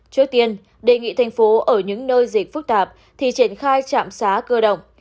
trước tiên đề nghị thành phố ở những nơi dịch phức tạp thì triển khai trạm xá cơ động